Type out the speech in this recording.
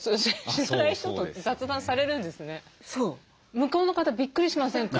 向こうの方びっくりしませんか？